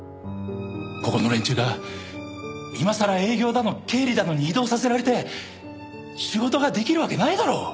ここの連中が今さら営業だの経理だのに異動させられて仕事ができるわけないだろ。